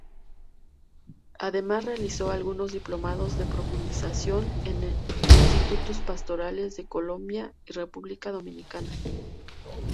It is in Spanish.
Además realizó algunos diplomados de profundización en Institutos Pastorales de Colombia y República Dominicana.